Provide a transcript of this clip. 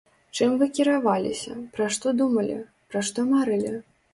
Чым вы кіраваліся, пра што думалі, пра што марылі?